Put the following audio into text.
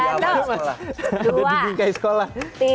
ada di bingkai sekolah